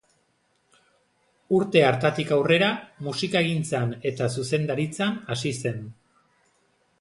Urte hartatik aurrera, musikagintzan eta zuzendaritzan hasi zen.